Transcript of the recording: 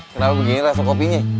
kenapa begini rasa kopinya